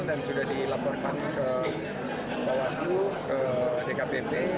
dan sudah dilaporkan ke bawaslu ke dkpp